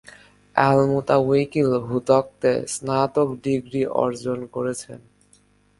এলমুতাউইকিল ভূতত্ত্বে স্নাতক ডিগ্রি অর্জন করেছেন।